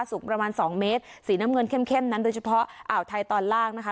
สูงประมาณ๒เมตรสีน้ำเงินเข้มนั้นโดยเฉพาะอ่าวไทยตอนล่างนะคะ